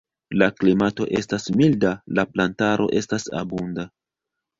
La klimato estas milda, la plantaro estas abunda.